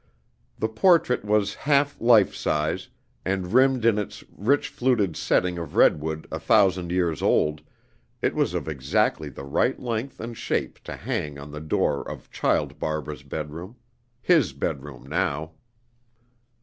The portrait was half life size; and rimmed in its rich fluted setting of redwood a thousand years old, it was of exactly the right length and shape to hang on the door of child Barbara's bedroom his bedroom now.